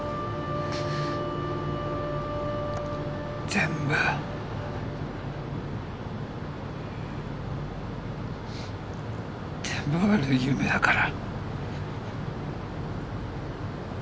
全部全部悪い夢だから。